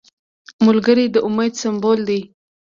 ملګری د امید سمبول دی